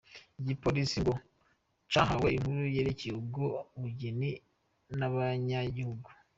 Igipolisi ngo cahawe inkuru yerekeye ubwo bugeni n'abanyagihu.